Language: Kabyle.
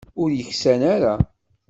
Ur yeksan ara.